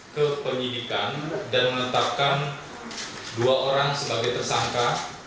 kepenyidikan dan menetapkan dua orang sebagai tersangka